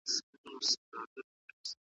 چي پوستين له منځه ووتى جنگ سوړ سو ,